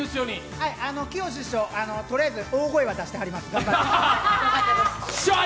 きよし師匠、とりあえず大声は出してはります。